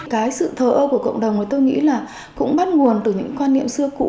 cái sự thờ ơ của cộng đồng thì tôi nghĩ là cũng bắt nguồn từ những quan niệm xưa cũ